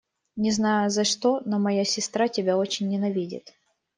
Не знаю за что, но моя сестра тебя очень ненавидит.